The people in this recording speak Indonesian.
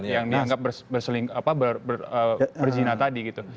yang dianggap berzina tadi gitu